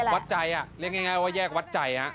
วัดใจเรียกง่ายว่าแยกวัดใจ